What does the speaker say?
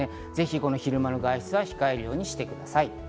昼間の外出は控えるようにしてください。